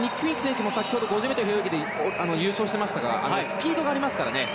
５０ｍ平泳ぎで優勝してましたからスピードがありますからね。